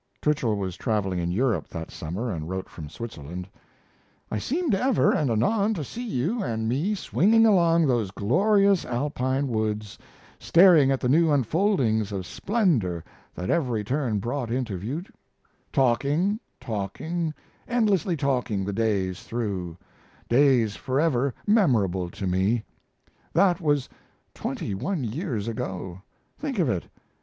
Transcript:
Twichell was traveling in Europe that summer, and wrote from Switzerland: I seemed ever and anon to see you and me swinging along those glorious Alpine woods, staring at the new unfoldings of splendor that every turn brought into view talking, talking, endlessly talking the days through days forever memorable to me. That was twenty one years ago; think of it!